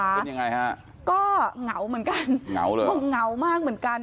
เป็นยังไงฮะก็เหงาเหมือนกันเหงาเลยบอกเหงามากเหมือนกัน